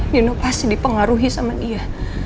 nino pasti dipengaruhi sama dia